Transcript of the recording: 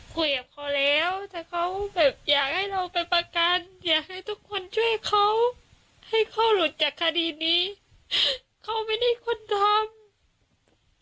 แต่เขาให้เขาหลุดจากคดีนนี้เขาไม่ได้ควรทำ